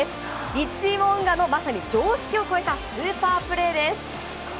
リッチー・モウンガのまさに常識を超えたスーパープレーです。